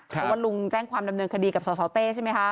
เพราะว่าลุงแจ้งความดำเนินคดีกับสสเต้ใช่ไหมคะ